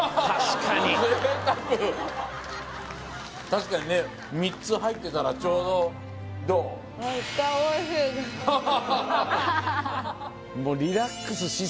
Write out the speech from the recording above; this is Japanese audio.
確かにね３つ入ってたらちょうどどう？